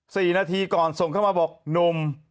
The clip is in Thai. สี่นาทีก่อนส่งเข้ามาบอกหนุ่ม